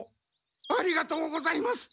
ありがとうございます。